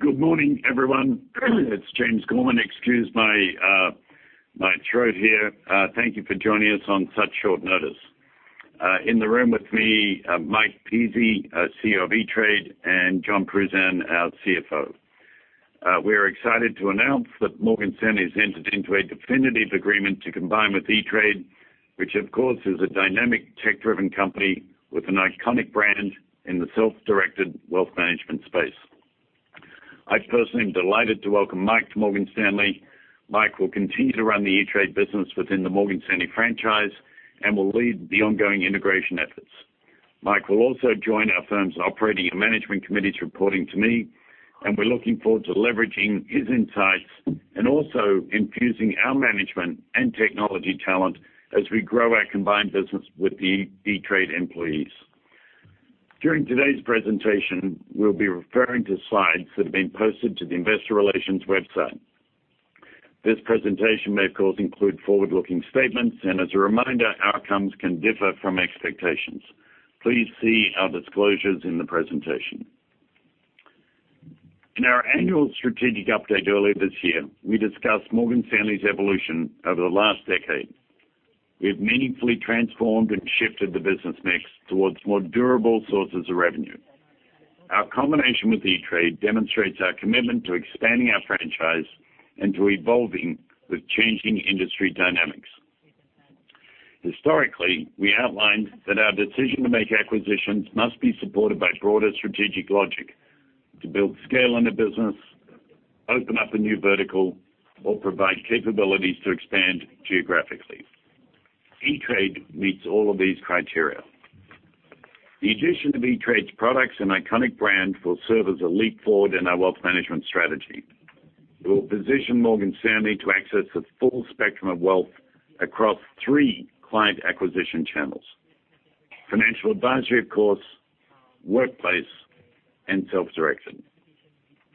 Good morning, everyone. It's James Gorman. Excuse my throat here. Thank you for joining us on such short notice. In the room with me, Mike Pizzi, CEO of E*TRADE, and Jon Pruzan, our CFO. We're excited to announce that Morgan Stanley has entered into a definitive agreement to combine with E*TRADE, which of course, is a dynamic tech-driven company with an iconic brand in the self-directed wealth management space. I personally am delighted to welcome Mike to Morgan Stanley. Mike will continue to run the E*TRADE business within the Morgan Stanley franchise and will lead the ongoing integration efforts. Mike will also join our firm's operating and management committees, reporting to me, and we're looking forward to leveraging his insights and also infusing our management and technology talent as we grow our combined business with the E*TRADE employees. During today's presentation, we'll be referring to slides that have been posted to the investor relations website. This presentation may, of course, include forward-looking statements, and as a reminder, outcomes can differ from expectations. Please see our disclosures in the presentation. In our annual strategic update earlier this year, we discussed Morgan Stanley's evolution over the last decade. We've meaningfully transformed and shifted the business mix towards more durable sources of revenue. Our combination with E*TRADE demonstrates our commitment to expanding our franchise and to evolving with changing industry dynamics. Historically, we outlined that our decision to make acquisitions must be supported by broader strategic logic to build scale in the business, open up a new vertical, or provide capabilities to expand geographically. E*TRADE meets all of these criteria. The addition of E*TRADE's products and iconic brand will serve as a leap forward in our wealth management strategy. It will position Morgan Stanley to access the full spectrum of wealth across three client acquisition channels, financial advisory, of course, workplace, and self-directed.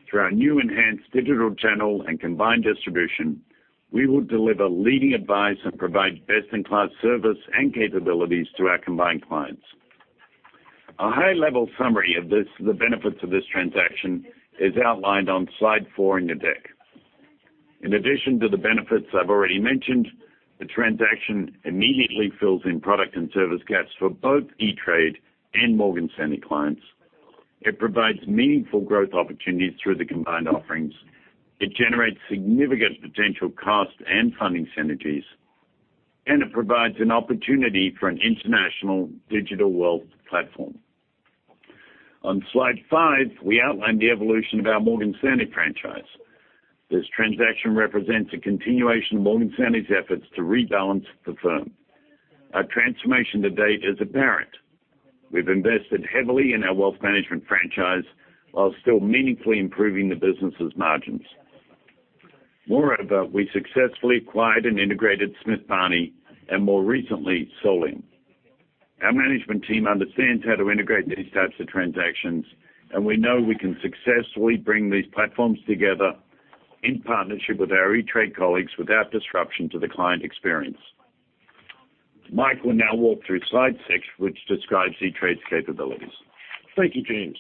Through our new enhanced digital channel and combined distribution, we will deliver leading advice and provide best-in-class service and capabilities to our combined clients. A high-level summary of the benefits of this transaction is outlined on slide four in the deck. In addition to the benefits I've already mentioned, the transaction immediately fills in product and service gaps for both E*TRADE and Morgan Stanley clients. It provides meaningful growth opportunities through the combined offerings. It generates significant potential cost and funding synergies. It provides an opportunity for an international digital wealth platform. On slide five, we outlined the evolution of our Morgan Stanley franchise. This transaction represents a continuation of Morgan Stanley's efforts to rebalance the firm. Our transformation to date is apparent. We've invested heavily in our wealth management franchise while still meaningfully improving the business's margins. Moreover, we successfully acquired and integrated Smith Barney and more recently, Solium. Our management team understands how to integrate these types of transactions, and we know we can successfully bring these platforms together in partnership with our E*TRADE colleagues without disruption to the client experience. Mike will now walk through slide six, which describes E*TRADE's capabilities. Thank you, James.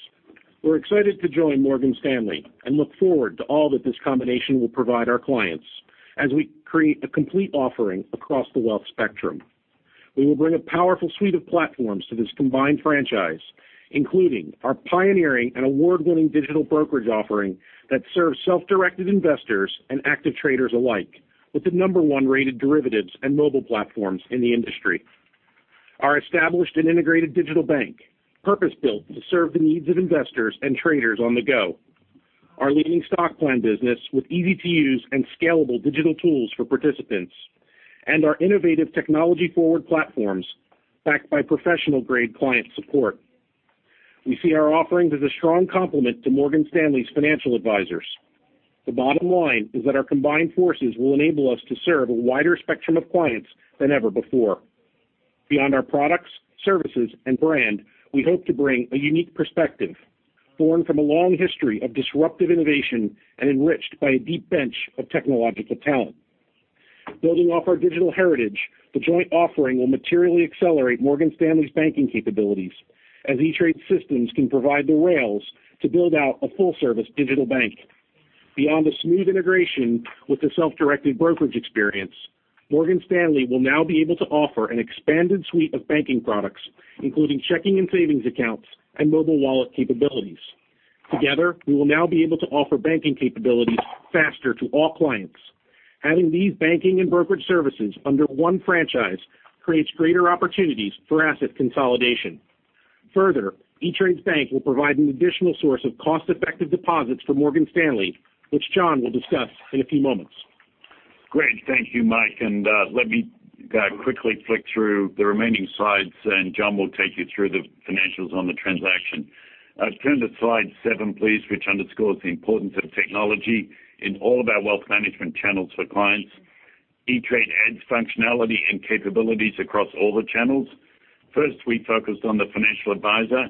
We're excited to join Morgan Stanley and look forward to all that this combination will provide our clients as we create a complete offering across the wealth spectrum. We will bring a powerful suite of platforms to this combined franchise, including our pioneering and award-winning digital brokerage offering that serves self-directed investors and active traders alike, with the number one-rated derivatives and mobile platforms in the industry. Our established and integrated digital bank, purpose-built to serve the needs of investors and traders on the go. Our leading stock plan business with easy-to-use and scalable digital tools for participants, and our innovative technology forward platforms backed by professional-grade client support. We see our offerings as a strong complement to Morgan Stanley's financial advisors. The bottom line is that our combined forces will enable us to serve a wider spectrum of clients than ever before. Beyond our products, services, and brand, we hope to bring a unique perspective born from a long history of disruptive innovation and enriched by a deep bench of technological talent. Building off our digital heritage, the joint offering will materially accelerate Morgan Stanley's banking capabilities as E*TRADE systems can provide the rails to build out a full-service digital bank. Beyond the smooth integration with the self-directed brokerage experience, Morgan Stanley will now be able to offer an expanded suite of banking products, including checking and savings accounts and mobile wallet capabilities. Together, we will now be able to offer banking capabilities faster to all clients. Having these banking and brokerage services under one franchise creates greater opportunities for asset consolidation. Further, E*TRADE Bank will provide an additional source of cost-effective deposits for Morgan Stanley, which Jon will discuss in a few moments. Great. Thank you, Mike, let me quickly flick through the remaining slides, and Jon will take you through the financials on the transaction. Turn to slide seven, please, which underscores the importance of technology in all of our wealth management channels for clients. E*TRADE adds functionality and capabilities across all the channels. First, we focused on the financial advisor,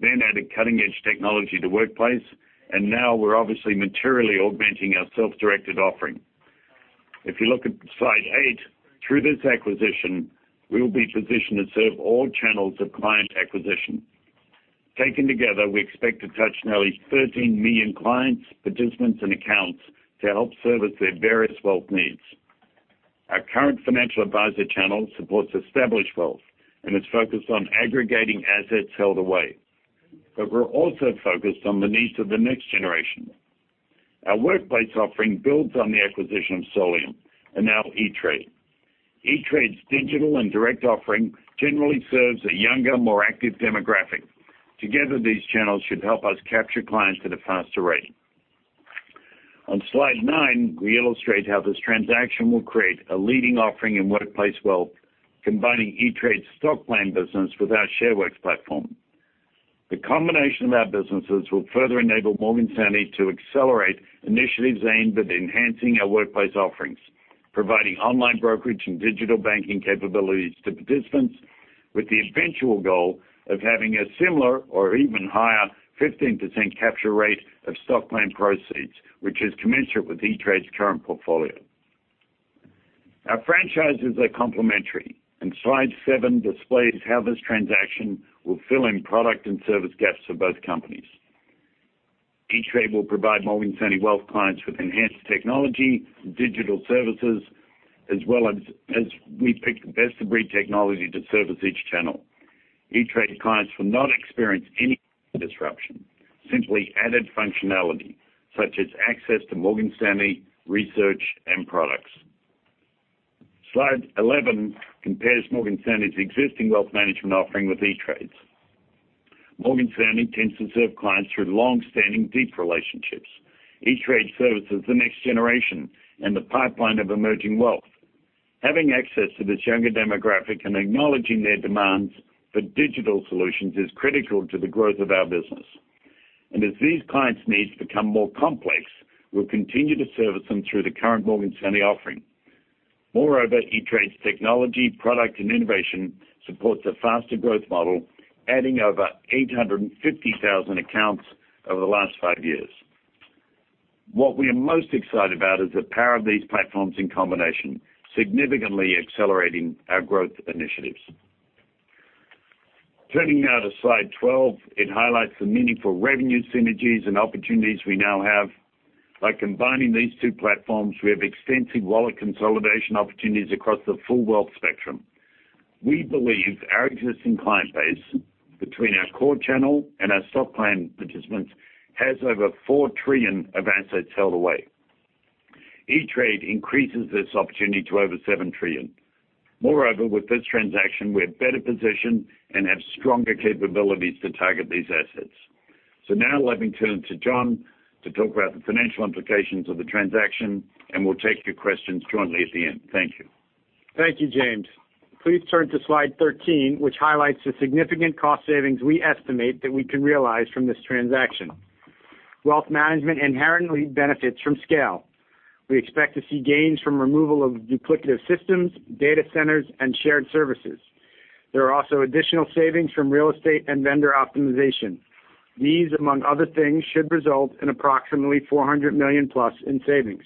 then added cutting-edge technology to Workplace, and now we're obviously materially augmenting our self-directed offering. If you look at slide eight, through this acquisition, we will be positioned to serve all channels of client acquisition. Taken together, we expect to touch nearly 13 million clients, participants, and accounts to help service their various wealth needs. Our current financial advisor channel supports established wealth and is focused on aggregating assets held away. We're also focused on the needs of the next generation. Our workplace offering builds on the acquisition of Solium and now E*TRADE. E*TRADE's digital and direct offering generally serves a younger, more active demographic. Together, these channels should help us capture clients at a faster rate. On slide nine, we illustrate how this transaction will create a leading offering in workplace wealth, combining E*TRADE's stock plan business with our Shareworks platform. The combination of our businesses will further enable Morgan Stanley to accelerate initiatives aimed at enhancing our workplace offerings, providing online brokerage and digital banking capabilities to participants with the eventual goal of having a similar or even higher 15% capture rate of stock plan proceeds, which is commensurate with E*TRADE's current portfolio. Our franchises are complementary, slide seven displays how this transaction will fill in product and service gaps for both companies. E*TRADE will provide Morgan Stanley Wealth clients with enhanced technology, digital services, as well as we pick the best of breed technology to service each channel. E*TRADE clients will not experience any disruption, simply added functionality, such as access to Morgan Stanley research and products. Slide 11 compares Morgan Stanley's existing wealth management offering with E*TRADE's. Morgan Stanley tends to serve clients through longstanding, deep relationships. E*TRADE services the next generation and the pipeline of emerging wealth. Having access to this younger demographic and acknowledging their demands for digital solutions is critical to the growth of our business. As these clients' needs become more complex, we'll continue to service them through the current Morgan Stanley offering. Moreover, E*TRADE's technology, product, and innovation supports a faster growth model, adding over 850,000 accounts over the last five years. What we are most excited about is the power of these platforms in combination, significantly accelerating our growth initiatives. Turning now to slide 12, it highlights the meaningful revenue synergies and opportunities we now have. By combining these two platforms, we have extensive wallet consolidation opportunities across the full wealth spectrum. We believe our existing client base, between our core channel and our stock plan participants, has over $4 trillion of assets held away. E*TRADE increases this opportunity to over $7 trillion. Moreover, with this transaction, we're better positioned and have stronger capabilities to target these assets. Now let me turn to Jon to talk about the financial implications of the transaction, and we'll take your questions jointly at the end. Thank you. Thank you, James. Please turn to slide 13, which highlights the significant cost savings we estimate that we can realize from this transaction. Wealth management inherently benefits from scale. We expect to see gains from removal of duplicative systems, data centers, and shared services. There are also additional savings from real estate and vendor optimization. These, among other things, should result in approximately $400 million plus in savings.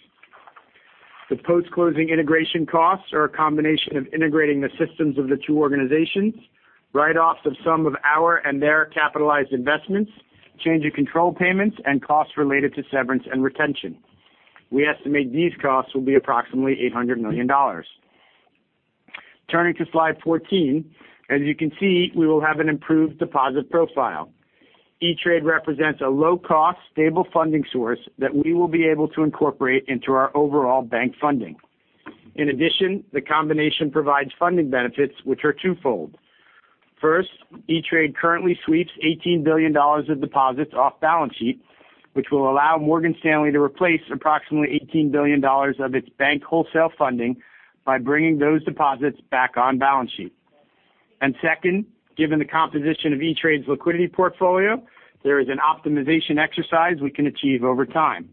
The post-closing integration costs are a combination of integrating the systems of the two organizations, write-offs of some of our and their capitalized investments, change in control payments, and costs related to severance and retention. We estimate these costs will be approximately $800 million. Turning to slide 14, as you can see, we will have an improved deposit profile. E*TRADE represents a low-cost, stable funding source that we will be able to incorporate into our overall bank funding. In addition, the combination provides funding benefits which are twofold. First, E*TRADE currently sweeps $18 billion of deposits off balance sheet, which will allow Morgan Stanley to replace approximately $18 billion of its bank wholesale funding by bringing those deposits back on balance sheet. Second, given the composition of E*TRADE's liquidity portfolio, there is an optimization exercise we can achieve over time.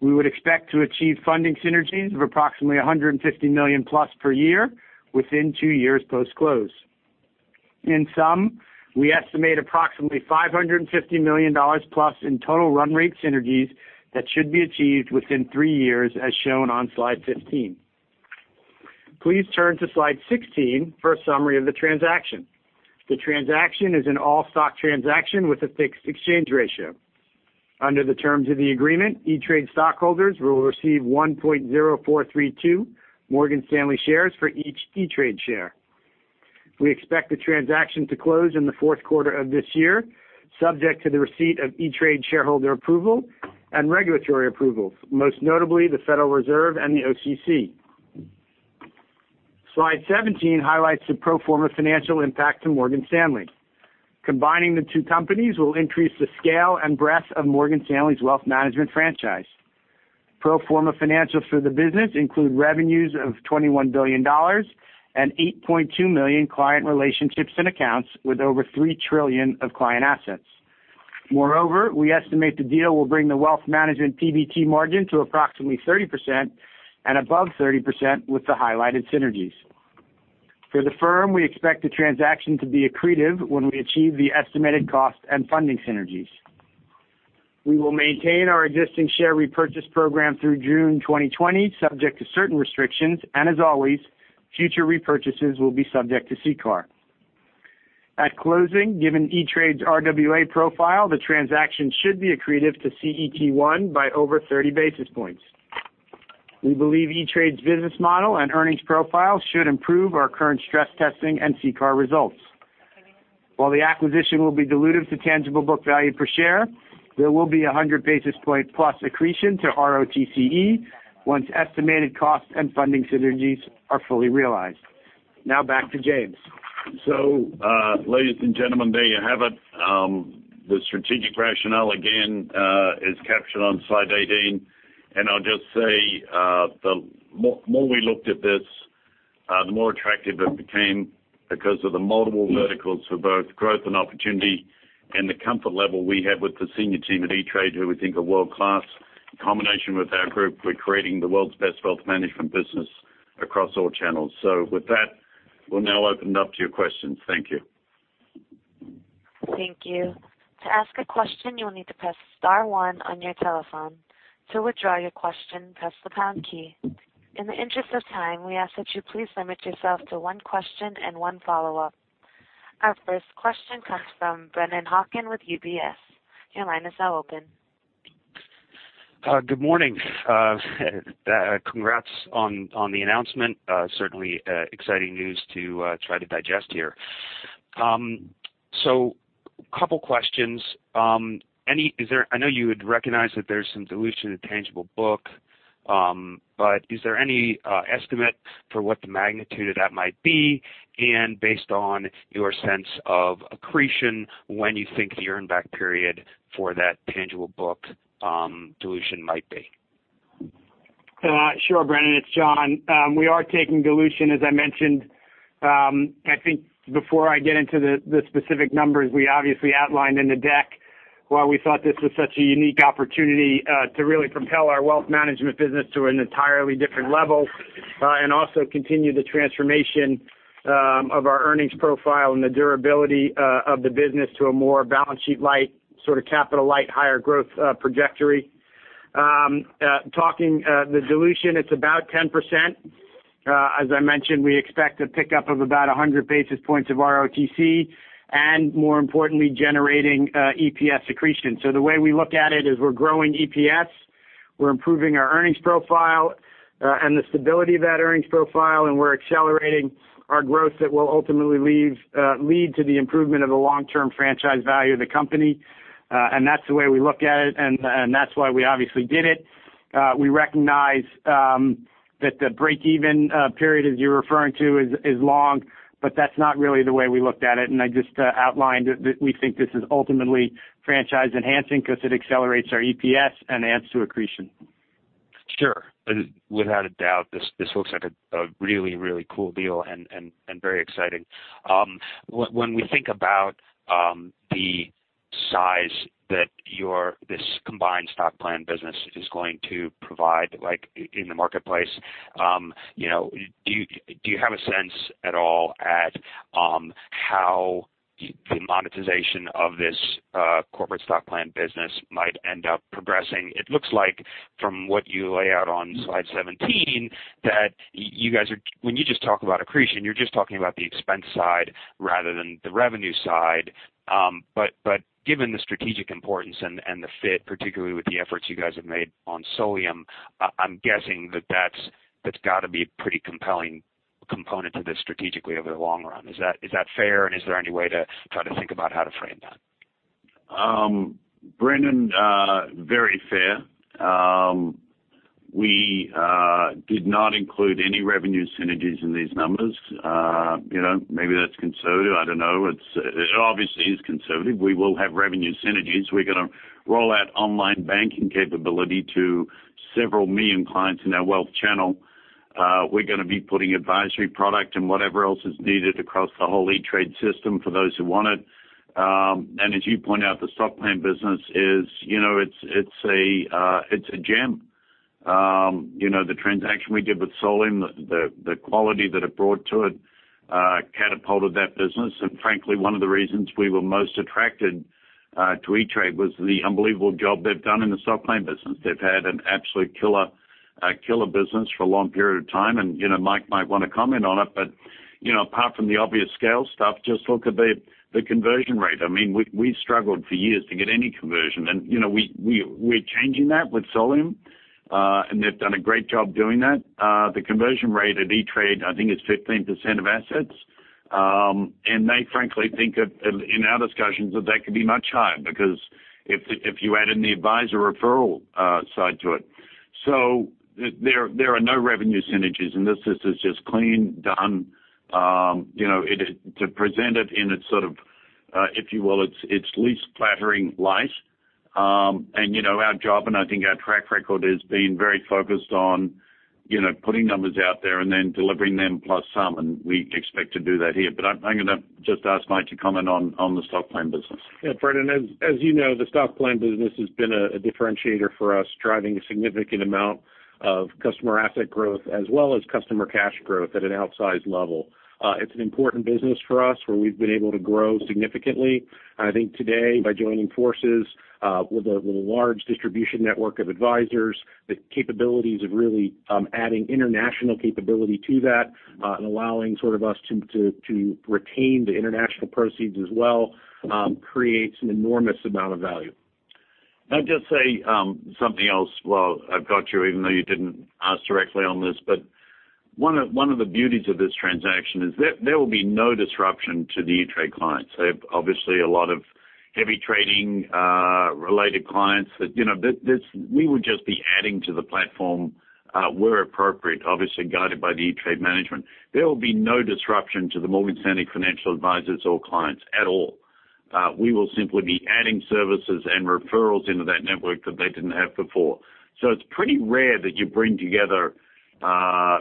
We would expect to achieve funding synergies of approximately $150 million+ per year within two years post-close. In sum, we estimate approximately $550 million+ in total run rate synergies that should be achieved within three years, as shown on slide 15. Please turn to slide 16 for a summary of the transaction. The transaction is an all-stock transaction with a fixed exchange ratio. Under the terms of the agreement, E*TRADE stockholders will receive 1.0432 Morgan Stanley shares for each E*TRADE share. We expect the transaction to close in the fourth quarter of this year, subject to the receipt of E*TRADE shareholder approval and regulatory approvals, most notably the Federal Reserve and the OCC. Slide 17 highlights the pro forma financial impact to Morgan Stanley. Combining the two companies will increase the scale and breadth of Morgan Stanley's wealth management franchise. Pro forma financials for the business include revenues of $21 billion and 8.2 million client relationships and accounts with over $3 trillion of client assets. Moreover, we estimate the deal will bring the wealth management PBT margin to approximately 30% and above 30% with the highlighted synergies. For the firm, we expect the transaction to be accretive when we achieve the estimated cost and funding synergies. We will maintain our existing share repurchase program through June 2020, subject to certain restrictions, and as always, future repurchases will be subject to CCAR. At closing, given E*TRADE's RWA profile, the transaction should be accretive to CET1 by over 30 basis points. We believe E*TRADE's business model and earnings profile should improve our current stress testing and CCAR results. While the acquisition will be dilutive to tangible book value per share, there will be 100 basis point plus accretion to ROTCE once estimated costs and funding synergies are fully realized. Now back to James. Ladies and gentlemen, there you have it. The strategic rationale again is captured on slide 18. I'll just say, the more we looked at this, the more attractive it became because of the multiple verticals for both growth and opportunity and the comfort level we have with the senior team at E*TRADE, who we think are world-class. In combination with our group, we're creating the world's best wealth management business across all channels. With that, we'll now open it up to your questions. Thank you. Thank you. To ask a question, you will need to press star one on your telephone. To withdraw your question, press the poundkey. In the interest of time, we ask that you please limit yourself to one question and one follow-up. Our first question comes from Brennan Hawken with UBS. Your line is now open. Good morning. Congrats on the announcement. Certainly exciting news to try to digest here. Couple questions. I know you had recognized that there's some dilution in tangible book, but is there any estimate for what the magnitude of that might be? Based on your sense of accretion, when you think the earn back period for that tangible book dilution might be? Sure, Brennan, it's Jon. We are taking dilution, as I mentioned. I think before I get into the specific numbers we obviously outlined in the deck why we thought this was such a unique opportunity to really propel our wealth management business to an entirely different level. Also continue the transformation of our earnings profile and the durability of the business to a more balance sheet light, sort of capital light, higher growth trajectory. Talking the dilution, it's about 10%. As I mentioned, we expect a pickup of about 100 basis points of ROTCE, and more importantly, generating EPS accretion. The way we look at it is we're growing EPS, we're improving our earnings profile and the stability of that earnings profile, and we're accelerating our growth that will ultimately lead to the improvement of the long-term franchise value of the company. That's the way we look at it, and that's why we obviously did it. We recognize that the break-even period as you're referring to is long, but that's not really the way we looked at it. I just outlined that we think this is ultimately franchise enhancing because it accelerates our EPS and adds to accretion. Sure. Without a doubt, this looks like a really cool deal and very exciting. When we think about the size that this combined stock plan business is going to provide in the marketplace, do you have a sense at all at how the monetization of this corporate stock plan business might end up progressing? It looks like from what you lay out on slide 17, that when you just talk about accretion, you're just talking about the expense side rather than the revenue side. Given the strategic importance and the fit, particularly with the efforts you guys have made on Solium, I'm guessing that that's got to be a pretty compelling component to this strategically over the long run. Is that fair? Is there any way to try to think about how to frame that? Brennan, very fair. We did not include any revenue synergies in these numbers. Maybe that's conservative, I don't know. It obviously is conservative. We will have revenue synergies. We're going to roll out online banking capability to several million clients in our wealth channel. We're going to be putting advisory product and whatever else is needed across the whole E*TRADE system for those who want it. As you point out, the stock plan business it's a gem. The transaction we did with Solium, the quality that it brought to it, catapulted that business. Frankly, one of the reasons we were most attracted to E*TRADE was the unbelievable job they've done in the stock plan business. They've had an absolute killer business for a long period of time. Mike might want to comment on it. Apart from the obvious scale stuff, just look at the conversion rate. We struggled for years to get any conversion, and we're changing that with Solium. They've done a great job doing that. The conversion rate at E*TRADE, I think, is 15% of assets. They frankly think of, in our discussions, that could be much higher because if you add in the advisor referral side to it. There are no revenue synergies, and this is just clean, done. To present it in its sort of, if you will, its least flattering light. Our job, and I think our track record is being very focused on putting numbers out there and then delivering them plus some, and we expect to do that here. I'm going to just ask Mike to comment on the stock plan business. Yeah, Brennan, as you know, the stock plan business has been a differentiator for us, driving a significant amount of customer asset growth as well as customer cash growth at an outsized level. It's an important business for us where we've been able to grow significantly. I think today, by joining forces with a large distribution network of advisors, the capabilities of really adding international capability to that and allowing sort of us to retain the international proceeds as well creates an enormous amount of value. I'll just say something else while I've got you, even though you didn't ask directly on this, one of the beauties of this transaction is there will be no disruption to the E*TRADE clients. They have obviously a lot of heavy trading related clients that we would just be adding to the platform where appropriate, obviously guided by the E*TRADE management. There will be no disruption to the Morgan Stanley financial advisors or clients at all. We will simply be adding services and referrals into that network that they didn't have before. It's pretty rare that you bring together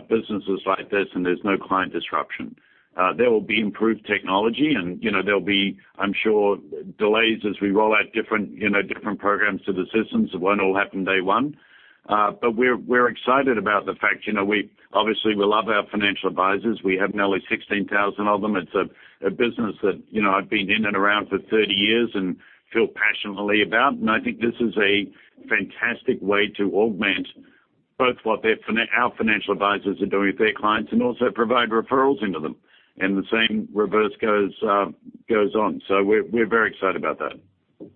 businesses like this and there's no client disruption. There will be improved technology and there'll be, I'm sure, delays as we roll out different programs to the systems. It won't all happen day one. We're excited about the fact, obviously, we love our financial advisors. We have nearly 16,000 of them. It's a business that I've been in and around for 30 years and feel passionately about. I think this is a fantastic way to augment both what our financial advisors are doing with their clients and also provide referrals into them. The same reverse goes on. We're very excited about that.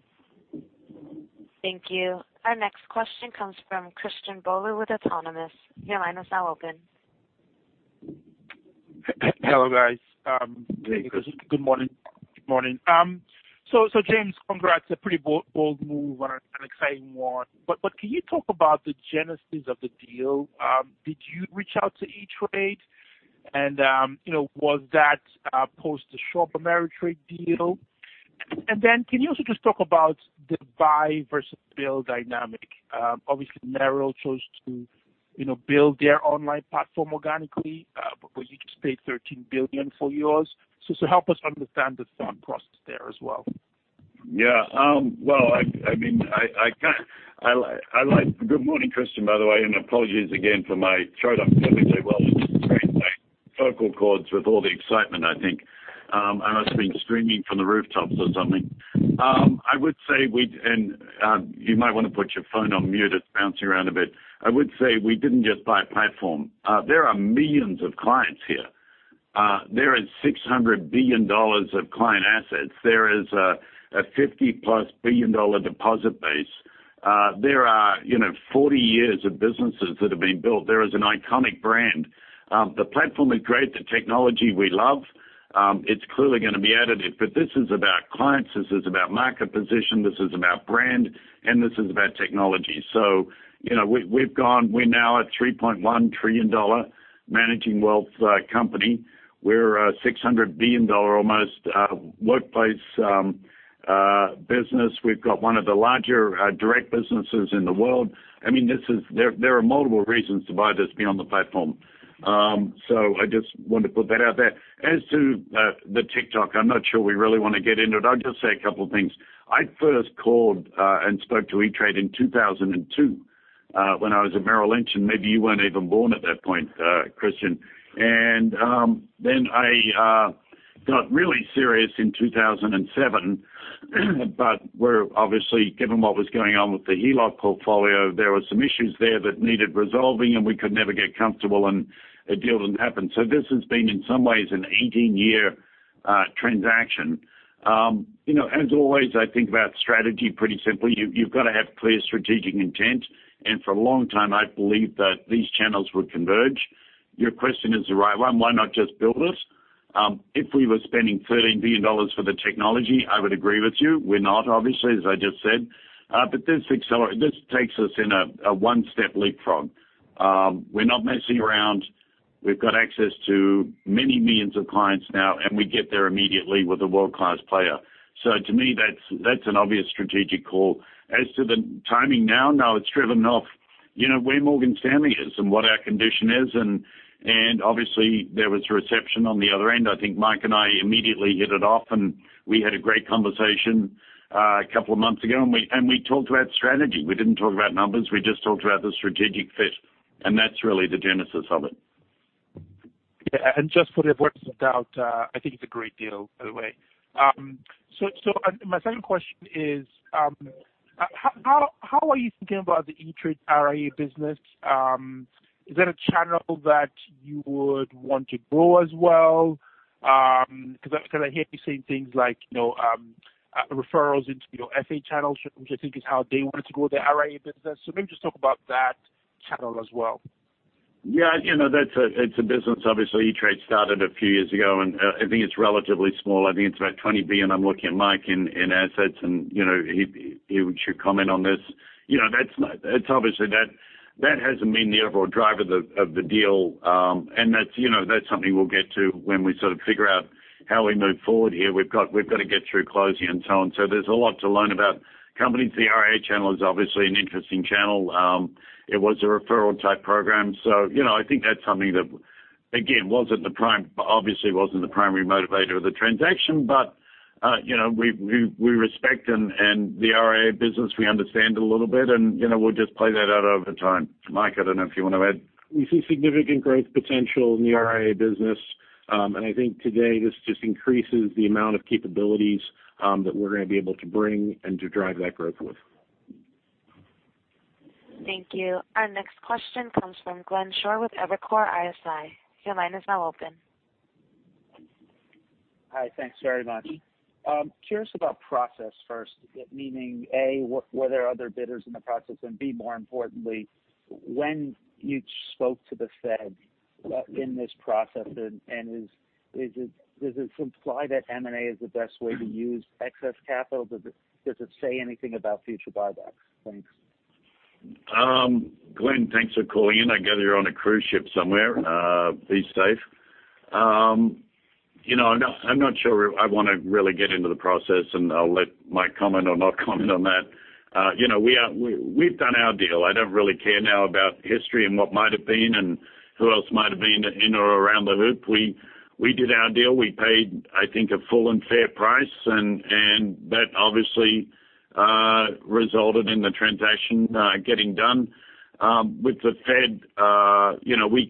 Thank you. Our next question comes from Christian Bolu with Autonomous. Your line is now open. Hello, guys. Hey, Christian. Good morning. James, congrats. A pretty bold move and an exciting one. Can you talk about the genesis of the deal? Did you reach out to E*TRADE, and was that post the Schwab Ameritrade deal? Can you also just talk about the buy versus build dynamic? Obviously, Merrill chose to build their online platform organically. You just paid $13 billion for yours. Help us understand the thought process there as well. Well, good morning, Christian, by the way. Apologies again for my throat. I'm feeling very well vocal cords with all the excitement, I think. I must have been screaming from the rooftops or something. You might want to put your phone on mute. It's bouncing around a bit. I would say we didn't just buy a platform. There are millions of clients here. There is $600 billion of client assets. There is a $50 billion+ deposit base. There are 40 years of businesses that have been built. There is an iconic brand. The platform is great. The technology we love. It's clearly going to be additive. This is about clients, this is about market position, this is about brand, and this is about technology. We're now a $3.1 trillion managing wealth company. We're a $600 billion almost workplace business. We've got one of the larger direct businesses in the world. There are multiple reasons to buy this beyond the platform. I just want to put that out there. As to the TikTok, I'm not sure we really want to get into it. I'll just say a couple of things. I first called and spoke to E*TRADE in 2002 when I was at Merrill Lynch, and maybe you weren't even born at that point, Christian. I got really serious in 2007. We're obviously, given what was going on with the HELOC portfolio, there were some issues there that needed resolving, and we could never get comfortable, and a deal didn't happen. This has been, in some ways, an 18-year transaction. As always, I think about strategy pretty simply. You've got to have clear strategic intent. For a long time, I believed that these channels would converge. Your question is the right one. Why not just build it? If we were spending $13 billion for the technology, I would agree with you. We're not, obviously, as I just said. This takes us in a one-step leapfrog. We're not messing around. We've got access to many millions of clients now, and we get there immediately with a world-class player. To me, that's an obvious strategic call. As to the timing now it's driven off where Morgan Stanley is and what our condition is, and obviously, there was reception on the other end. I think Mike and I immediately hit it off, and we had a great conversation a couple of months ago, and we talked about strategy. We didn't talk about numbers. We just talked about the strategic fit, and that's really the genesis of it. Yeah. Just for the avoidance of doubt, I think it's a great deal, by the way. My second question is, how are you thinking about the E*TRADE RIA business? Is that a channel that you would want to grow as well? I hear you saying things like referrals into your FA channels, which I think is how they wanted to grow their RIA business. Maybe just talk about that channel as well. It's a business, obviously, E*TRADE started a few years ago, and I think it's relatively small. I think it's about $20 billion, I'm looking at Mike, in assets, and he should comment on this. Obviously, that hasn't been the overall driver of the deal. That's something we'll get to when we sort of figure out how we move forward here. We've got to get through closing and so on. There's a lot to learn about companies. The RIA channel is obviously an interesting channel. It was a referral type program. I think that's something that, again, obviously wasn't the primary motivator of the transaction. We respect and the RIA business, we understand it a little bit, and we'll just play that out over time. Mike, I don't know if you want to add. We see significant growth potential in the RIA business. I think today this just increases the amount of capabilities that we're going to be able to bring and to drive that growth with. Thank you. Our next question comes from Glenn Schorr with Evercore ISI. Your line is now open. Hi. Thanks very much. Curious about process first, meaning, A, were there other bidders in the process? B, more importantly, when you spoke to the Fed in this process? Does it imply that M&A is the best way to use excess capital? Does it say anything about future buybacks? Thanks. Glenn, thanks for calling in. I gather you're on a cruise ship somewhere. Be safe. I'm not sure I want to really get into the process, and I'll let Mike comment or not comment on that. We've done our deal. I don't really care now about history and what might've been and who else might've been in or around the loop. We did our deal. We paid, I think, a full and fair price, and that obviously resulted in the transaction getting done. With the Fed,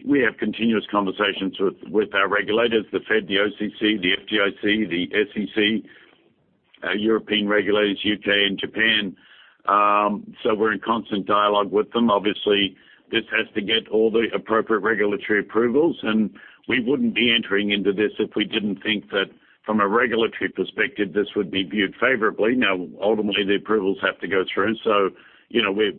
we have continuous conversations with our regulators, the Fed, the OCC, the FDIC, the SEC, European regulators, U.K., and Japan. We're in constant dialogue with them. Obviously, this has to get all the appropriate regulatory approvals, and we wouldn't be entering into this if we didn't think that from a regulatory perspective, this would be viewed favorably. Ultimately, the approvals have to go through, so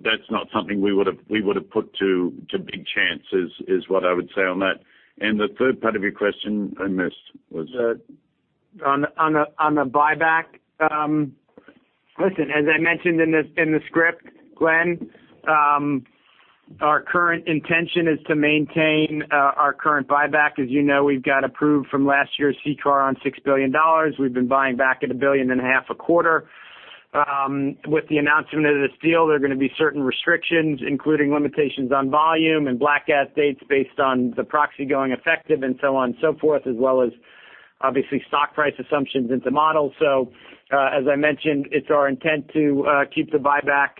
that's not something we would've put to big chance is what I would say on that. The third part of your question I missed was? On the buyback. Listen, as I mentioned in the script, Glenn, our current intention is to maintain our current buyback. As you know, we've got approved from last year's CCAR on $6 billion. We've been buying back at a $1.5 billion a quarter. With the announcement of this deal, there are going to be certain restrictions, including limitations on volume and blackout dates based on the proxy going effective and so on and so forth, as well as obviously stock price assumptions into models. As I mentioned, it's our intent to keep the buyback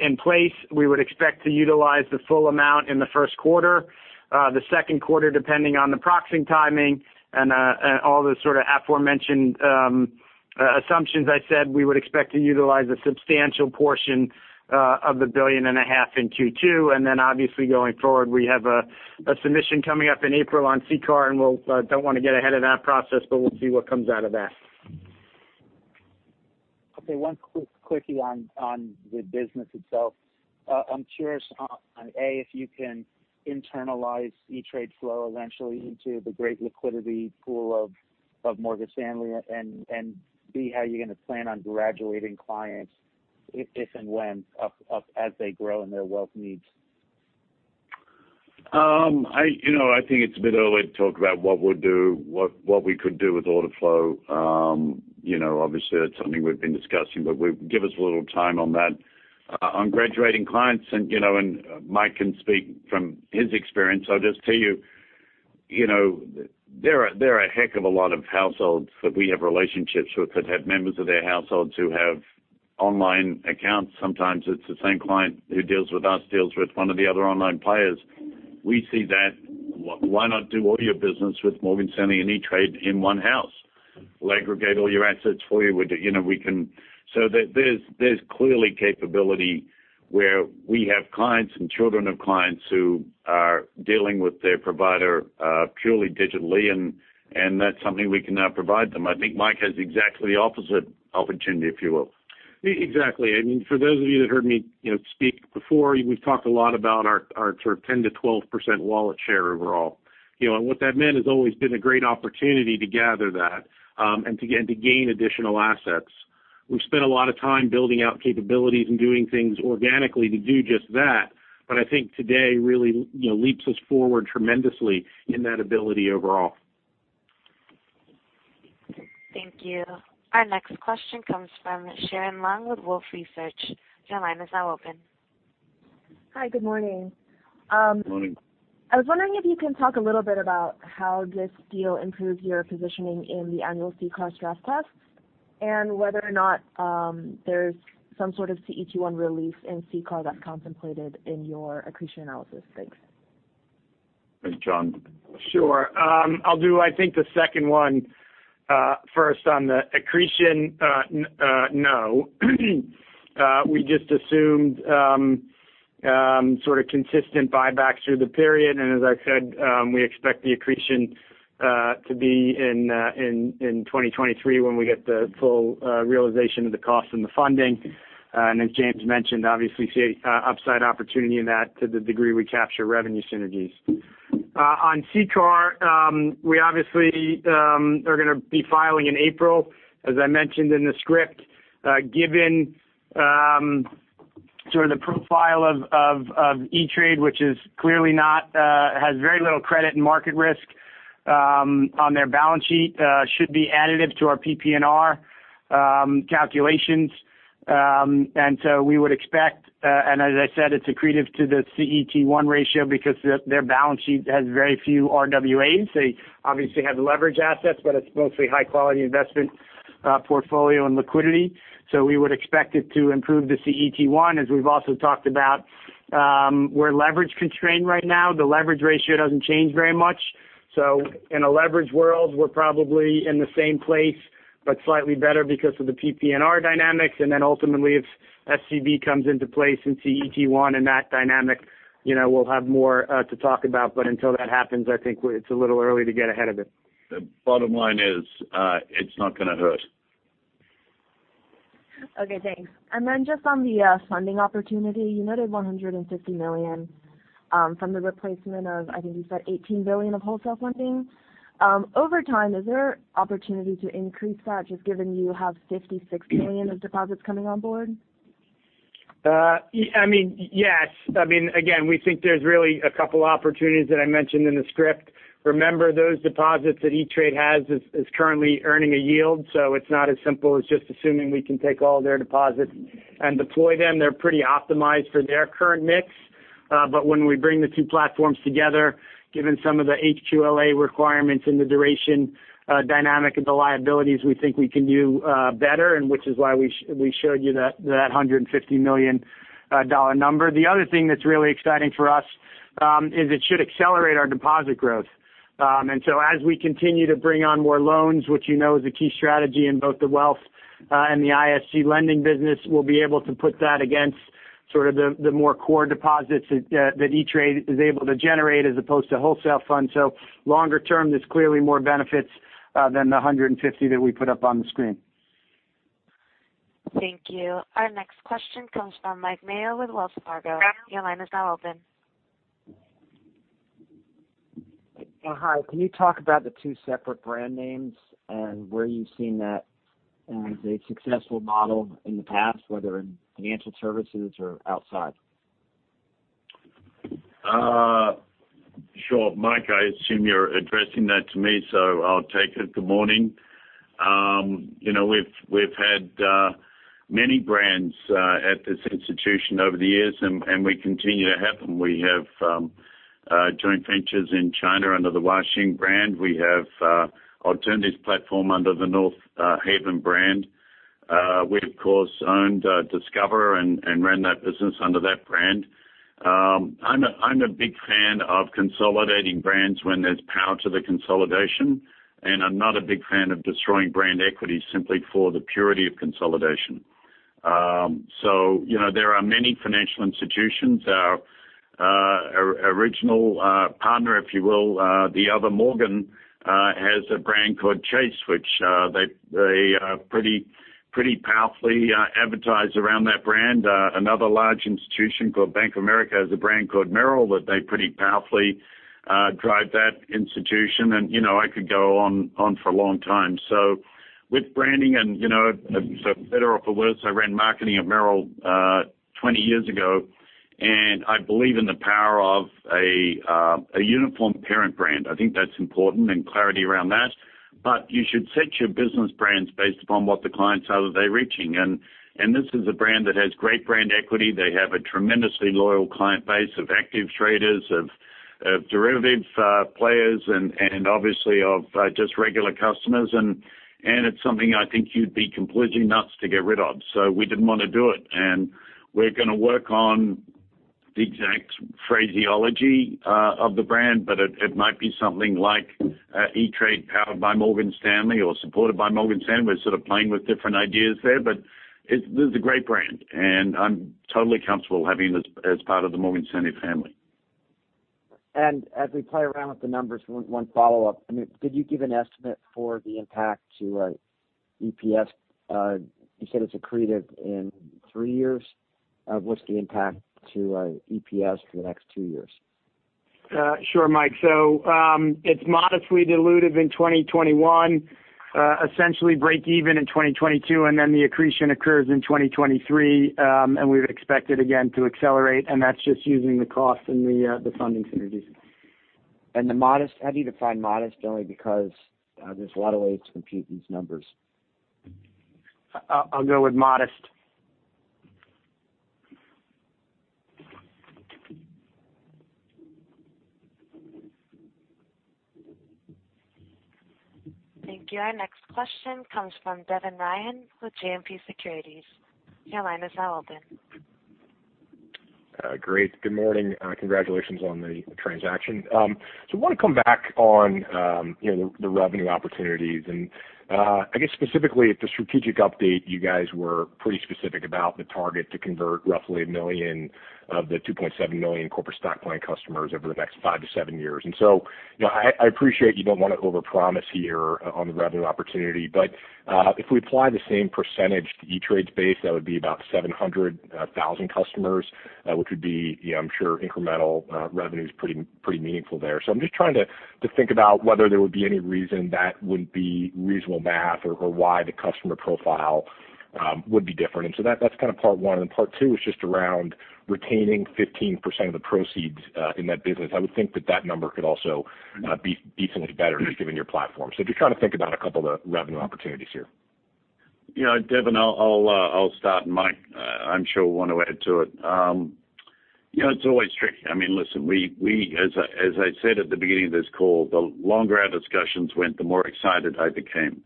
in place. We would expect to utilize the full amount in the first quarter. The second quarter, depending on the proxying timing and all the sort of aforementioned assumptions I said, we would expect to utilize a substantial portion of a $1.5 billion in Q2. Obviously going forward, we have a submission coming up in April on CCAR, and I don't want to get ahead of that process, but we'll see what comes out of that. Okay, one quickie on the business itself. I'm curious on, A, if you can internalize E*TRADE flow eventually into the great liquidity pool of Morgan Stanley, and B, how you're going to plan on graduating clients, if and when, as they grow in their wealth needs. I think it's a bit early to talk about what we could do with order flow. That's something we've been discussing, but give us a little time on that. On graduating clients, Mike can speak from his experience, I'll just tell you, there are a heck of a lot of households that we have relationships with that have members of their households who have online accounts. Sometimes it's the same client who deals with us, deals with one of the other online players. We see that. Why not do all your business with Morgan Stanley and E*TRADE in one house? We'll aggregate all your assets for you. There's clearly capability where we have clients and children of clients who are dealing with their provider purely digitally, and that's something we can now provide them. I think Mike has exactly the opposite opportunity, if you will. Exactly. For those of you that heard me speak before, we've talked a lot about our sort of 10%- 12% wallet share overall. What that meant is always been a great opportunity to gather that and to gain additional assets. We've spent a lot of time building out capabilities and doing things organically to do just that. I think today really leaps us forward tremendously in that ability overall. Thank you. Our next question comes from Sharon Leung with Wolfe Research. Your line is now open. Hi, good morning. Morning. I was wondering if you can talk a little bit about how this deal improves your positioning in the annual CCAR stress tests, and whether or not there's some sort of CET1 relief in CCAR that's contemplated in your accretion analysis. Thanks. Jon? Sure. I'll do, I think, the second one first on the accretion. No. We just assumed sort of consistent buybacks through the period, as I said, we expect the accretion to be in 2023 when we get the full realization of the cost and the funding. As James mentioned, obviously see upside opportunity in that to the degree we capture revenue synergies. On CCAR, we obviously are going to be filing in April, as I mentioned in the script. Given sort of the profile of E*TRADE, which has very little credit and market risk on their balance sheet, should be additive to our PPNR calculations. We would expect, as I said, it's accretive to the CET1 ratio because their balance sheet has very few RWAs. They obviously have leverage assets, but it's mostly high-quality investment portfolio and liquidity. We would expect it to improve the CET1. As we've also talked about, we're leverage-constrained right now. The leverage ratio doesn't change very much. In a leverage world, we're probably in the same place, but slightly better because of the PPNR dynamics. Ultimately, if SCB comes into play since CET1 and that dynamic, we'll have more to talk about. Until that happens, I think it's a little early to get ahead of it. The bottom line is it's not going to hurt. Okay, thanks. Just on the funding opportunity, you noted $150 million from the replacement of, I think you said $18 billion of wholesale funding. Over time, is there opportunity to increase that, just given you have $56 million of deposits coming on board? Yes. Again, we think there's really a couple opportunities that I mentioned in the script. Remember, those deposits that E*TRADE has is currently earning a yield, so it's not as simple as just assuming we can take all their deposits and deploy them. They're pretty optimized for their current mix. When we bring the two platforms together, given some of the HQLA requirements and the duration dynamic of the liabilities, we think we can do better, and which is why we showed you that $150 million number. The other thing that's really exciting for us is it should accelerate our deposit growth. As we continue to bring on more loans, which you know is a key strategy in both the wealth and the ISG lending business, we'll be able to put that against sort of the more core deposits that E*TRADE is able to generate as opposed to wholesale funds. Longer term, there's clearly more benefits than the $150 million that we put up on the screen. Thank you. Our next question comes from Mike Mayo with Wells Fargo. Your line is now open. Hi. Can you talk about the two separate brand names and where you've seen that as a successful model in the past, whether in financial services or outside? Sure. Mike, I assume you're addressing that to me, so I'll take it. Good morning. We've had many brands at this institution over the years, and we continue to have them. We have joint ventures in China under the Hua Xin brand. We have alternatives platform under the North Haven brand. We, of course, owned Discover and ran that business under that brand. I'm a big fan of consolidating brands when there's power to the consolidation, and I'm not a big fan of destroying brand equity simply for the purity of consolidation. There are many financial institutions. Our original partner, if you will, the other Morgan, has a brand called Chase, which they pretty powerfully advertise around that brand. Another large institution called Bank of America has a brand called Merrill that they pretty powerfully drive that institution. I could go on for a long time. With branding, and so better or for worse, I ran marketing at Merrill 20 years ago, and I believe in the power of a uniform parent brand. I think that's important and clarity around that. You should set your business brands based upon what the clients are that they're reaching. This is a brand that has great brand equity. They have a tremendously loyal client base of active traders, of derivative players, and obviously of just regular customers. It's something I think you'd be completely nuts to get rid of. We didn't want to do it, and we're going to work on the exact phraseology of the brand, but it might be something like E*TRADE powered by Morgan Stanley or supported by Morgan Stanley. We're sort of playing with different ideas there, but this is a great brand and I'm totally comfortable having this as part of the Morgan Stanley family. As we play around with the numbers, one follow-up. Could you give an estimate for the impact to EPS? You said it's accretive in three years. What's the impact to EPS for the next two years? Sure, Mike. It's modestly dilutive in 2021, essentially break even in 2022, and then the accretion occurs in 2023. We would expect it again to accelerate, and that's just using the cost and the funding synergies. The modest, how do you define modest? Only because there's a lot of ways to compute these numbers. I'll go with modest. Thank you. Our next question comes from Devin Ryan with JMP Securities. Your line is now open. Great. Good morning. Congratulations on the transaction. Want to come back on the revenue opportunities and I guess specifically at the strategic update, you guys were pretty specific about the target to convert roughly 1 million of the 2.7 million corporate stock plan customers over the next 5 to 7 years. I appreciate you don't want to overpromise here on the revenue opportunity, but if we apply the same percentage to E*TRADE's base, that would be about 700,000 customers, which would be, I'm sure, incremental revenue is pretty meaningful there. I'm just trying to think about whether there would be any reason that wouldn't be reasonable math or why the customer profile would be different. That's kind of part one. Part two is just around retaining 15% of the proceeds in that business. I would think that that number could also be significantly better, just given your platform. Just trying to think about a couple of the revenue opportunities here. Devin, I'll start, and Mike, I'm sure will want to add to it. It's always tricky. Listen, as I said at the beginning of this call, the longer our discussions went, the more excited I became.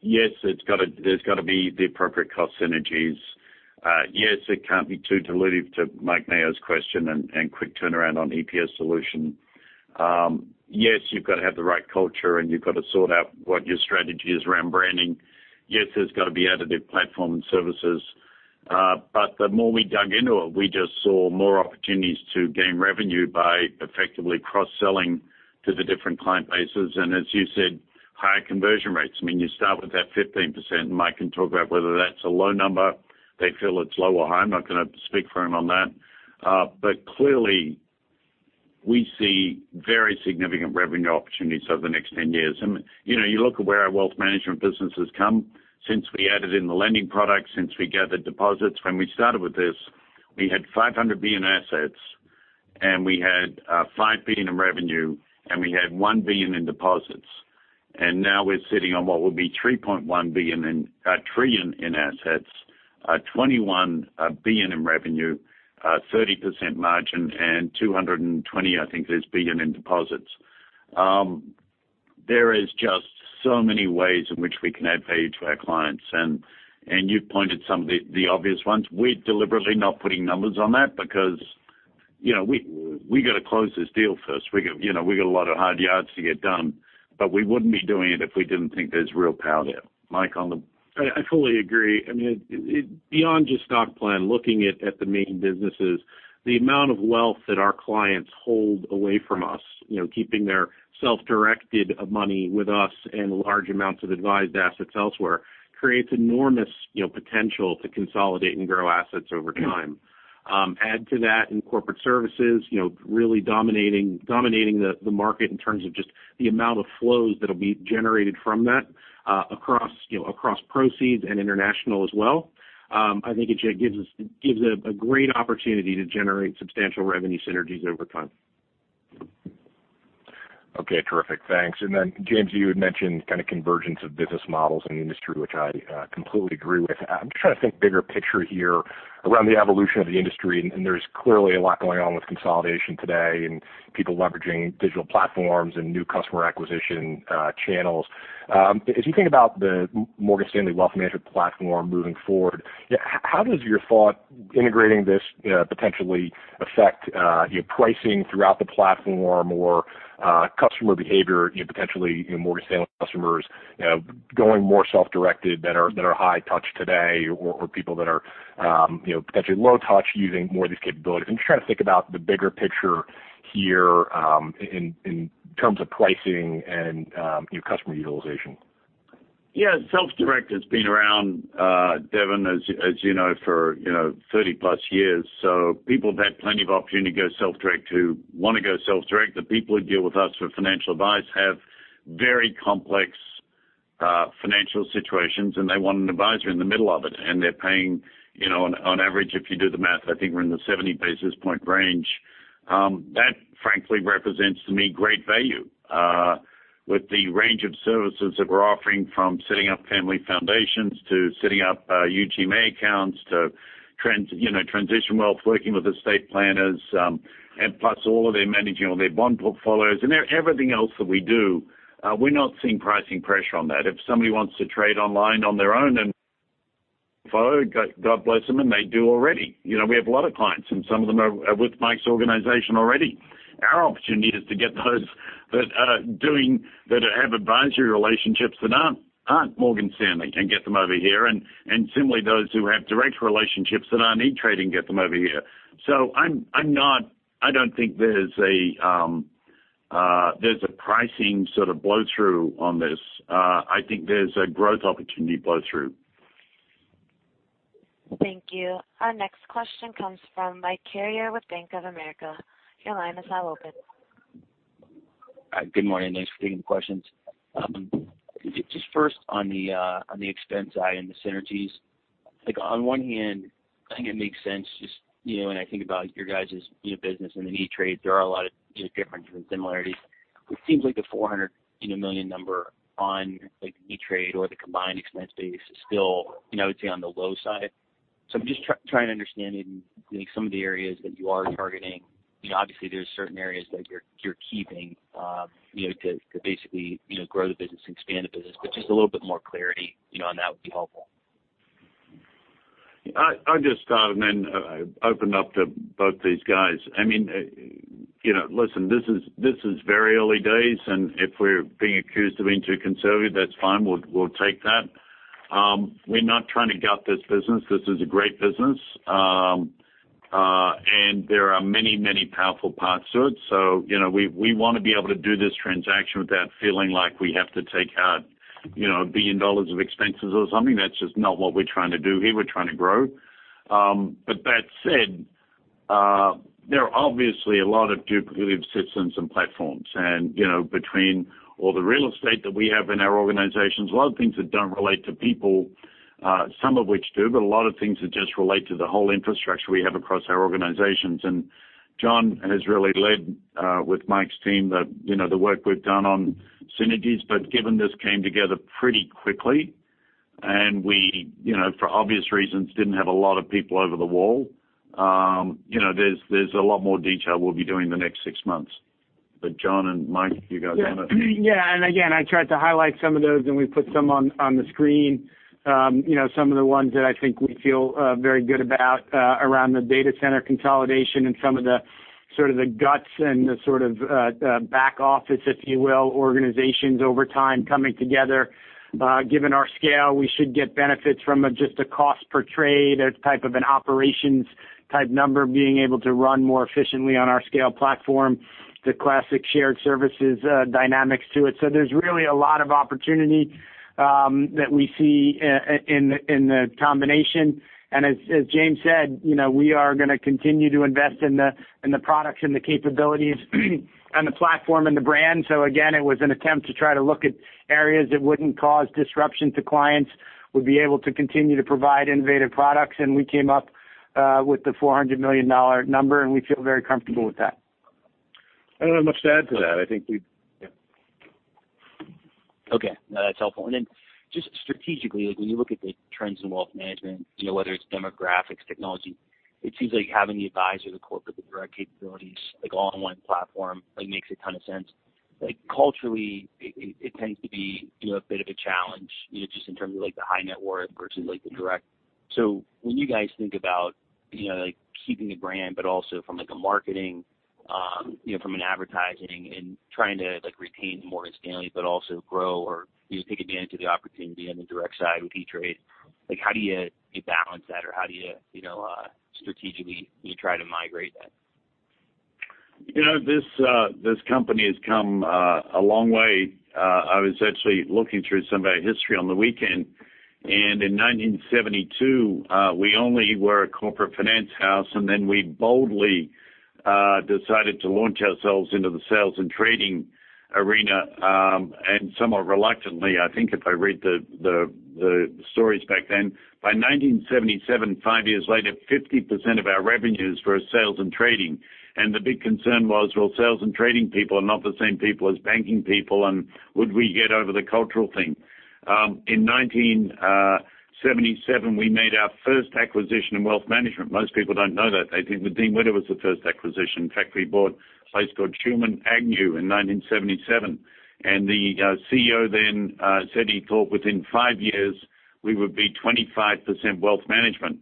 Yes, there's got to be the appropriate cost synergies. Yes, it can't be too dilutive to Mike Mayo's question and quick turnaround on EPS solution. Yes, you've got to have the right culture, and you've got to sort out what your strategy is around branding. Yes, there's got to be additive platform and services. The more we dug into it, we just saw more opportunities to gain revenue by effectively cross-selling to the different client bases. As you said, higher conversion rates. You start with that 15%, and Mike can talk about whether that's a low number. They feel it's low or high. I'm not going to speak for him on that. Clearly, we see very significant revenue opportunities over the next 10 years. You look at where our wealth management business has come since we added in the lending products, since we gathered deposits. When we started with this, we had $500 billion assets, and we had $5 billion in revenue, and we had $1 billion in deposits. Now we're sitting on what will be $3.1 trillion in assets, $21 billion in revenue, 30% margin, and $220 billion, I think there is, in deposits. There is just so many ways in which we can add value to our clients. You've pointed some of the obvious ones. We're deliberately not putting numbers on that because we got to close this deal first. We got a lot of hard yards to get done, but we wouldn't be doing it if we didn't think there's real power there. Mike, I fully agree. Beyond just stock plan, looking at the main businesses, the amount of wealth that our clients hold away from us, keeping their self-directed money with us and large amounts of advised assets elsewhere, creates enormous potential to consolidate and grow assets over time. Add to that in corporate services, really dominating the market in terms of just the amount of flows that'll be generated from that across proceeds and international as well. I think it gives a great opportunity to generate substantial revenue synergies over time. Okay, terrific. Thanks. James, you had mentioned kind of convergence of business models in the industry, which I completely agree with. I'm just trying to think bigger picture here around the evolution of the industry, there's clearly a lot going on with consolidation today and people leveraging digital platforms and new customer acquisition channels. As you think about the Morgan Stanley Wealth Management platform moving forward, how does your thought integrating this potentially affect your pricing throughout the platform or customer behavior, potentially Morgan Stanley customers going more self-directed that are high touch today or people that are potentially low touch using more of these capabilities? I'm just trying to think about the bigger picture here in terms of pricing and customer utilization. Yeah. Self-direct has been around, Devin, as you know, for 30+ years. People have had plenty of opportunity to go self-direct who want to go self-direct. The people who deal with us for financial advice have very complex financial situations, and they want an advisor in the middle of it, and they're paying, on average, if you do the math, I think we're in the 70 basis point range. That frankly represents to me great value. With the range of services that we're offering from setting up family foundations to setting up UGMA accounts to transition wealth, working with estate planners, plus all of their managing all their bond portfolios and everything else that we do. We're not seeing pricing pressure on that. If somebody wants to trade online on their own and follow, God bless them, and they do already. We have a lot of clients, and some of them are with Mike's organization already. Our opportunity is to get those that have advisory relationships that aren't Morgan Stanley, and get them over here, and similarly, those who have direct relationships that are E*TRADE and get them over here. I don't think there's a pricing sort of blow-through on this. I think there's a growth opportunity blow-through. Thank you. Our next question comes from Mike Carrier with Bank of America. Your line is now open. Good morning. Thanks for taking the questions. Just first on the expense side and the synergies. On one hand, I think it makes sense just when I think about your guys' business and then E*TRADE, there are a lot of differences and similarities. It seems like the $400 million number on E*TRADE or the combined expense base is still, I would say on the low side. I'm just trying to understand maybe some of the areas that you are targeting. Obviously, there's certain areas that you're keeping to basically grow the business and expand the business, just a little bit more clarity on that would be helpful. I'll just start and then open up to both these guys. Listen, this is very early days. If we're being accused of being too conservative, that's fine. We'll take that. We're not trying to gut this business. This is a great business. There are many powerful parts to it. We want to be able to do this transaction without feeling like we have to take out $1 billion of expenses or something. That's just not what we're trying to do here. We're trying to grow. That said, there are obviously a lot of duplicative systems and platforms. Between all the real estate that we have in our organizations, a lot of things that don't relate to people, some of which do, but a lot of things that just relate to the whole infrastructure we have across our organizations. Jon has really led with Mike's team the work we've done on synergies. Given this came together pretty quickly, and we for obvious reasons, didn't have a lot of people over the wall. There's a lot more detail we'll be doing the next six months. Jon and Mike, if you guys want to. Yeah. Again, I tried to highlight some of those, and we put some on the screen. Some of the ones that I think we feel very good about around the data center consolidation and some of the. Sort of the guts and the sort of back office, if you will, organizations over time coming together. Given our scale, we should get benefits from just a cost per trade as type of an operations type number, being able to run more efficiently on our scale platform, the classic shared services dynamics to it. There's really a lot of opportunity that we see in the combination. As James said, we are going to continue to invest in the products and the capabilities and the platform and the brand. Again, it was an attempt to try to look at areas that wouldn't cause disruption to clients. We'd be able to continue to provide innovative products. We came up with the $400 million number, and we feel very comfortable with that. I don't have much to add to that. I think we've. Yeah. Okay. No, that's helpful. Just strategically, when you look at the trends in wealth management, whether it's demographics, technology, it seems like having the advisor, the corporate, the direct capabilities, all in one platform, makes a ton of sense. Culturally, it tends to be a bit of a challenge, just in terms of the high net worth versus the direct. When you guys think about keeping the brand, but also from a marketing, from an advertising and trying to retain Morgan Stanley, but also grow or take advantage of the opportunity on the direct side with E*TRADE, how do you balance that or how do you strategically try to migrate that? This company has come a long way. I was actually looking through some of our history on the weekend, and in 1972, we only were a corporate finance house, and then we boldly decided to launch ourselves into the sales and trading arena. Somewhat reluctantly, I think if I read the stories back then. By 1977, five years later, 50% of our revenues were sales and trading. The big concern was, well, sales and trading people are not the same people as banking people, and would we get over the cultural thing? In 1977, we made our first acquisition in wealth management. Most people don't know that. They think that Dean Witter was the first acquisition. In fact, we bought a place called Shuman, Agnew & Co. in 1977. The CEO then said he thought within five years we would be 25% wealth management.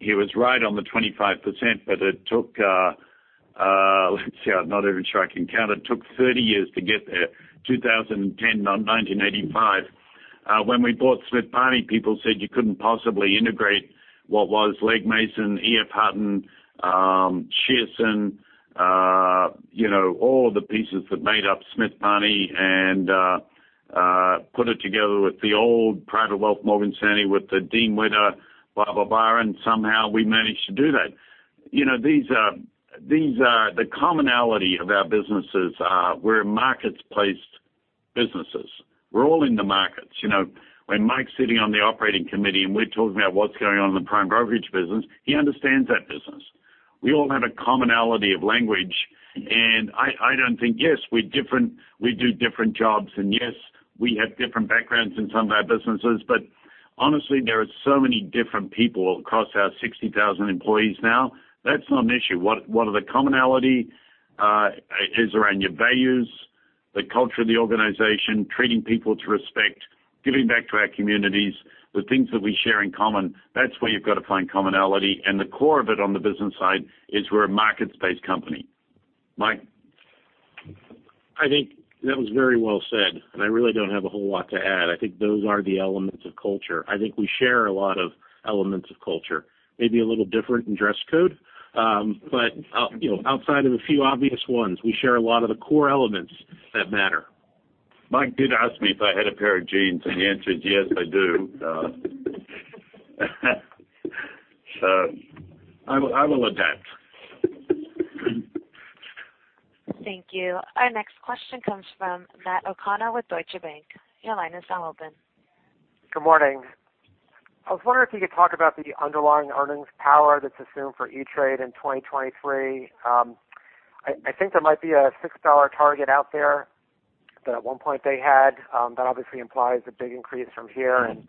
He was right on the 25%, but it took, let's see, I'm not even sure I can count. It took 30 years to get there, 2010, not 1985. When we bought Smith Barney, people said you couldn't possibly integrate what was Legg Mason, EF Hutton, Shearson, all the pieces that made up Smith Barney and put it together with the old private wealth Morgan Stanley, with the Dean Witter, blah, blah, and somehow we managed to do that. The commonality of our businesses are we're markets-placed businesses. We're all in the markets. When Mike's sitting on the operating committee, and we're talking about what's going on in the prime brokerage business, he understands that business. We all have a commonality of language, and I don't think, yes, we do different jobs, and yes, we have different backgrounds in some of our businesses, but honestly, there are so many different people across our 60,000 employees now, that's not an issue. One of the commonality is around your values, the culture of the organization, treating people with respect, giving back to our communities, the things that we share in common. That's where you've got to find commonality, and the core of it on the business side is we're a markets-based company. Mike. I think that was very well said. I really don't have a whole lot to add. I think those are the elements of culture. I think we share a lot of elements of culture, maybe a little different in dress code. Outside of a few obvious ones, we share a lot of the core elements that matter. Mike did ask me if I had a pair of jeans, and the answer is yes, I do. I will adapt. Thank you. Our next question comes from Matt O'Connor with Deutsche Bank. Your line is now open. Good morning. I was wondering if you could talk about the underlying earnings power that's assumed for E*TRADE in 2023. I think there might be a $6 target out there that at one point they had. That obviously implies a big increase from here, and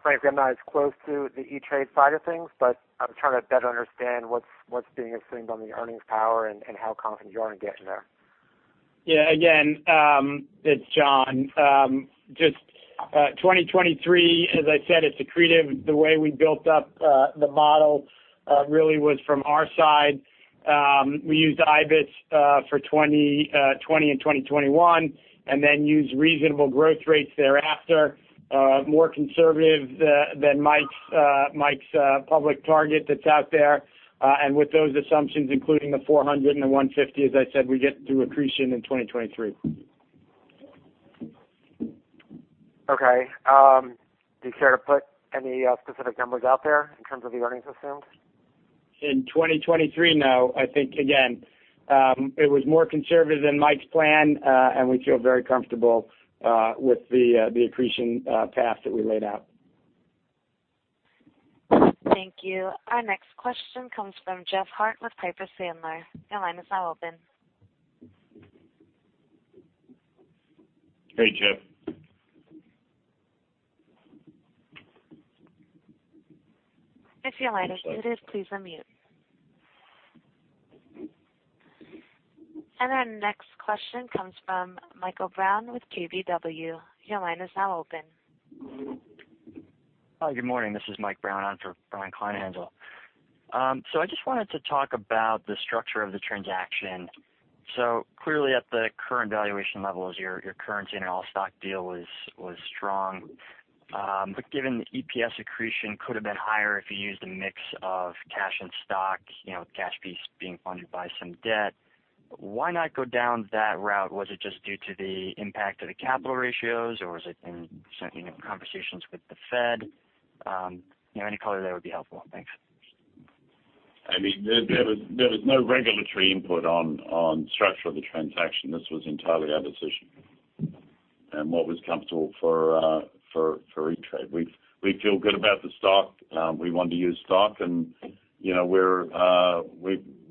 frankly, I'm not as close to the E*TRADE side of things, but I'm trying to better understand what's being assumed on the earnings power and how confident you are in getting there. Yeah, again, it's Jon. Just 2023, as I said, it's accretive. The way we built up the model really was from our side. We used I/B/E/S for 2020 and 2021 then used reasonable growth rates thereafter. More conservative than Mike's public target that's out there. With those assumptions, including the $400 million and the $150 million, as I said, we get to accretion in 2023. Okay. Do you care to put any specific numbers out there in terms of the earnings assumed? In 2023, no. I think, again, it was more conservative than Mike's plan, and we feel very comfortable with the accretion path that we laid out. Thank you. Our next question comes from Jeff Harte with Piper Sandler. Your line is now open. Hey, Jeff. If your line is muted, please unmute. Our next question comes from Michael Brown with KBW. Your line is now open. Hi. Good morning. This is Mike Brown on for Brian Kleinhanzl. I just wanted to talk about the structure of the transaction. Clearly at the current valuation levels, your current general stock deal was strong. Given the EPS accretion could have been higher if you used a mix of cash and stock, with the cash piece being funded by some debt, why not go down that route? Was it just due to the impact of the capital ratios, or was it in conversations with the Fed? Any color there would be helpful. Thanks. There was no regulatory input on the structure of the transaction. This was entirely our decision and what was comfortable for E*TRADE. We feel good about the stock. We want to use stock,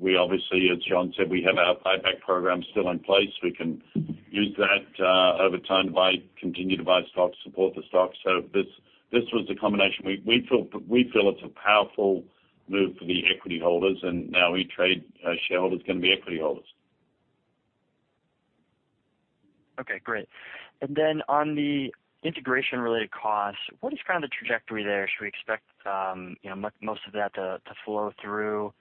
we obviously, as Jon said, we have our buyback program still in place. We can use that over time by continuing to buy stock to support the stock. This was a combination. We feel it's a powerful move for the equity holders, and now E*TRADE shareholders are going to be equity holders. Okay, great. On the integration-related costs, what is kind of the trajectory there? Should we expect most of that to flow through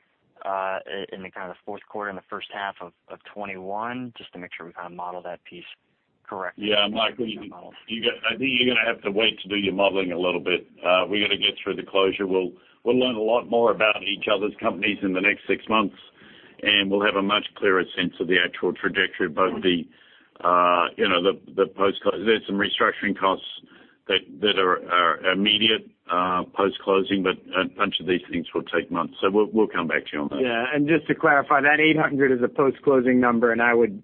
in the kind of fourth quarter and the first half of 2021, just to make sure we kind of model that piece correctly? Yeah. Mike, I think you're going to have to wait to do your modeling a little bit. We got to get through the closure. We'll learn a lot more about each other's companies in the next six months, and we'll have a much clearer sense of the actual trajectory of both the post-close. There's some restructuring costs that are immediate post-closing, but a bunch of these things will take months, so we'll come back to you on that. Yeah. Just to clarify, that 800 is a post-closing number, and I would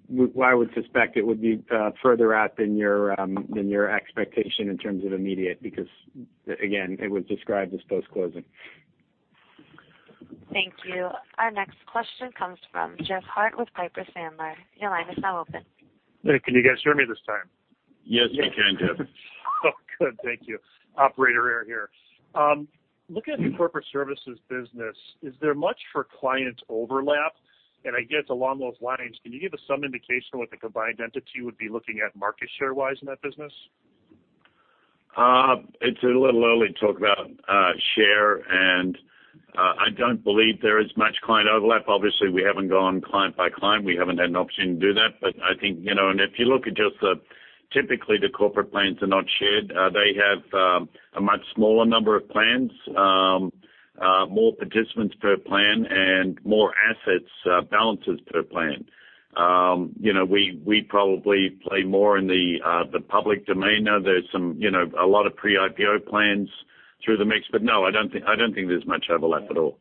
suspect it would be further out than your expectation in terms of immediate, because, again, it was described as post-closing. Thank you. Our next question comes from Jeff Harte with Piper Sandler. Your line is now open. Hey, can you guys hear me this time? Yes, we can, Jeff. Oh, good. Thank you. Operator error here. Looking at your corporate services business, is there much for client overlap? I guess along those lines, can you give us some indication what the combined entity would be looking at market share-wise in that business? It's a little early to talk about share, and I don't believe there is much client overlap. Obviously, we haven't gone client by client. We haven't had an opportunity to do that. I think, and if you look at just the, typically the corporate plans are not shared. They have a much smaller number of plans, more participants per plan, and more assets balances per plan. We probably play more in the public domain. Now, there's a lot of pre-IPO plans through the mix. No, I don't think there's much overlap at all.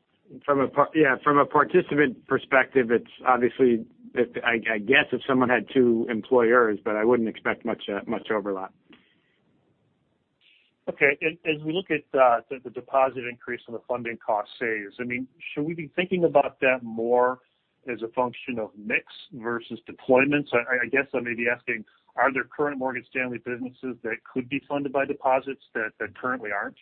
Yeah. From a participant perspective, it's obviously, I guess if someone had two employers, but I wouldn't expect much overlap. Okay. As we look at the deposit increase and the funding cost saves, should we be thinking about that more as a function of mix versus deployments? I guess I may be asking, are there current Morgan Stanley businesses that could be funded by deposits that currently aren't?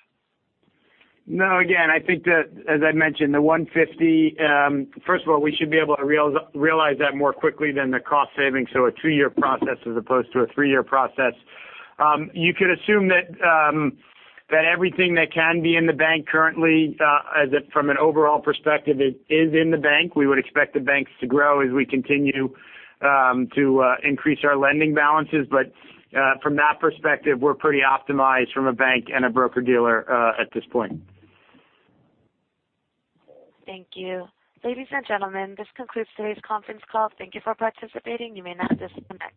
No. Again, I think that, as I mentioned, the $150 million, first of all, we should be able to realize that more quickly than the cost savings, so a two-year process as opposed to a three-year process. You could assume that everything that can be in the bank currently, from an overall perspective, is in the bank. We would expect the banks to grow as we continue to increase our lending balances. From that perspective, we're pretty optimized from a bank and a broker-dealer at this point. Thank you. Ladies and gentlemen, this concludes today's conference call. Thank you for participating. You may now disconnect.